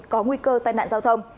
có nguy cơ tai nạn giao thông